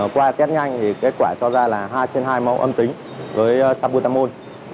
qua test nhanh kết quả cho ra là hai trên hai mẫu âm tính với sabutamol